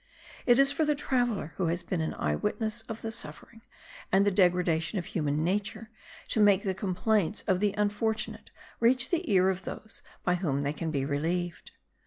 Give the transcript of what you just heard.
It is for the traveller who has been an eyewitness of the suffering and the degradation of human nature to make the complaints of the unfortunate reach the ear of those by whom they can be relieved.